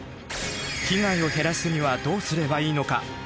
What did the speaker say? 被害を減らすにはどうすればいいのか。